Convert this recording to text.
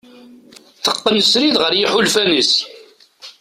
Teqqen srid ɣer yiḥulfan-is.